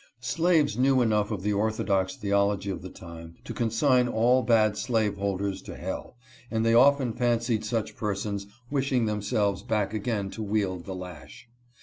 Slaves knew enough of the Orthodox theology of the time, to consign all bad slaveholders to hell, and they often fancied such persons wishing themselves back again to wield the lash.